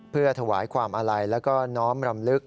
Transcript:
เพื่อถวายความอาลัยแล้วก็น้อมรำลึก